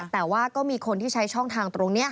แต่ว่าก็มีคนที่ใช้ช่องทางตรงนี้